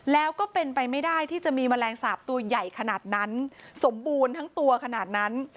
แล้วก็เป็นไปไม่ได้ที่จะมีแมลงสาปตัวใหญ่ขนาดนั้นสมบูรณ์ทั้งตัวขนาดนั้น